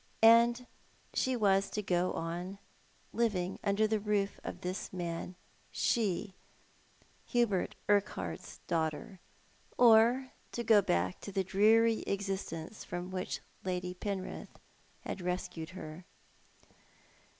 And she was to go on living under the roof of this man — she, Hubert Urquhart's daughter — or go back to the dreary existence from which Lady Penrith had rescued her.